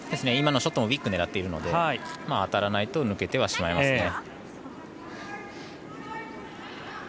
今のショットもウイック狙っているので当たらないと抜けてはしまいます。